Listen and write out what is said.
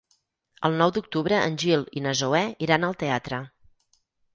El nou d'octubre en Gil i na Zoè iran al teatre.